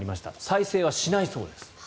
再生はしないそうです。